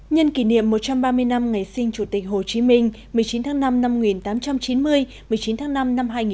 nhân kỷ niệm một trăm ba mươi năm ngày sinh chủ tịch hồ chí minh một mươi chín tháng năm năm một nghìn tám trăm chín mươi một mươi chín tháng năm năm hai nghìn hai mươi